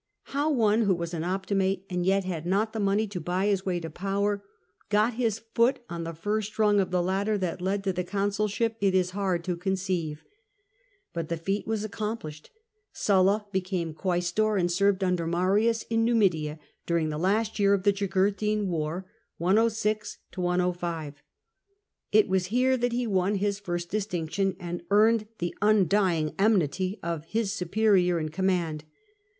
How one who was an Opti mate, and yet had not the money to buy his way to power, got his foot on the first rung of the ladder that led to the consulship, it is hard to conceive. But the feat was accom plished : Sulla became quaestor, and served under Marius in Humidia during the last year of the Jugurthine war [106 IOS]. It was here that he won his first distinction, and earned the undying enmity of his superior in command.